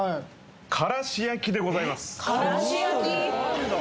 からし焼きでございますからし焼き？